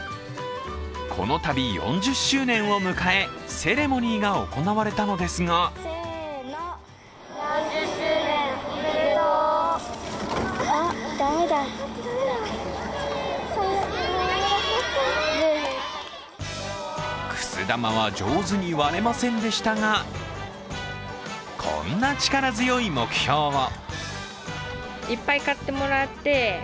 このたび４０周年を迎えセレモニーが行われたのですがくす玉は上手に割れませんでしたがこんな力強い目標を。